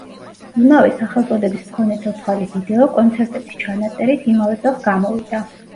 იმავე სახელწოდების მქონე ცოცხალი ვიდეო, კონცერტების ჩანაწერით, იმავე წელს გამოვიდა.